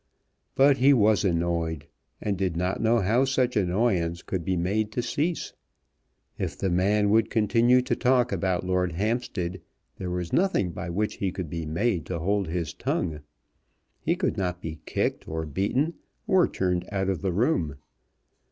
But he was annoyed, and did not know how such annoyance could be made to cease. If the man would continue to talk about Lord Hampstead there was nothing by which he could be made to hold his tongue. He could not be kicked, or beaten, or turned out of the room.